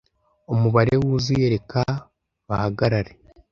Umubare wuzuye - reka bahagarare.